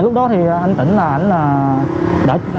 lúc đó anh tỉnh đỡ trực tiếp anh ôm đứa bé của em